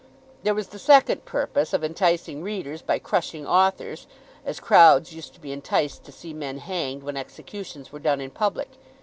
There was the second purpose of enticing readers by crushing authors, as crowds used to be enticed to see men hanged when executions were done in public.